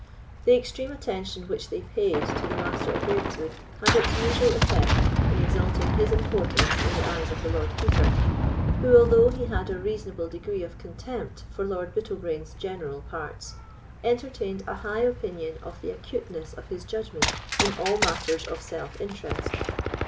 The extreme attention which they paid to the Master of Ravenswood had its usual effect in exalting his importance in the eyes of the Lord Keeper, who, although he had a reasonable degree of contempt for Lord Bittlebrains's general parts, entertained a high opinion of the acuteness of his judgment in all matters of self interest.